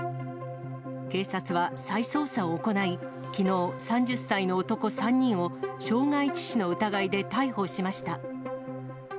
警察は再捜査を行い、きのう、３０歳の男３人を傷害致死の疑いで逮捕しました。